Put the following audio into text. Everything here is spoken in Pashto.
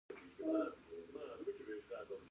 د کمزوري لیدلو سره توهین پیل کېږي.